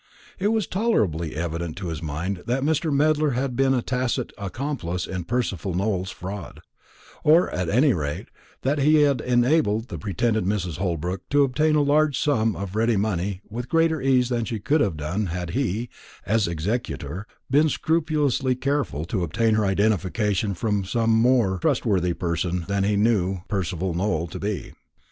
It was tolerably evident to his mind that Mr. Medler had been a tacit accomplice in Percival Nowell's fraud; or, at any rate, that he had enabled the pretended Mrs. Holbrook to obtain a large sum of ready money with greater ease than she could have done had he, as executor, been scrupulously careful to obtain her identification from some more trustworthy person than he knew Percival Nowell to be.